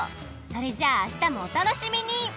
それじゃああしたもお楽しみに！